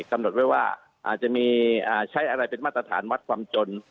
กำหนดไว้ว่าอาจจะมีใช้อะไรเป็นมาตรฐานวัดความจน